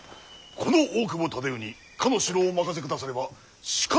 この大久保忠世にかの城をお任せくださればしかと。